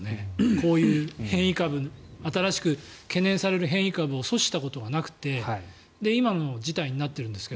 こういう変異株新しく懸念される変異株を阻止したことはなくて今の事態になってるんですが。